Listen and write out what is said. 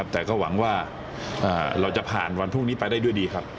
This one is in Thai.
แต่ก็หวังว่าเราจะผ่านวันพรุ่งนี้ไปได้ด้วยดีครับ